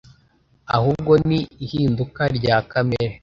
ahubwo ni ihinduka rya kamere